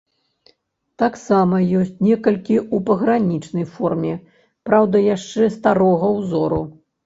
Таксама ёсць некалькі ў пагранічнай форме, праўда, яшчэ старога ўзору.